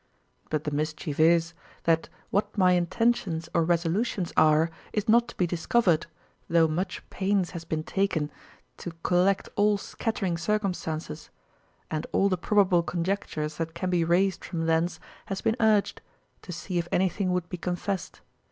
But the mischief is, that what my intentions or resolutions are, is not to be discovered, though much pains has been taken to collect all scattering circumstances; and all the probable conjectures that can be raised from thence has been urged, to see if anything would be confessed.